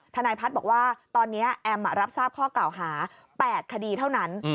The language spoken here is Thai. ทนายพัฒน์บอกว่าตอนนี้แอมรับทราบข้อเก่าหา๘คดีเท่านั้น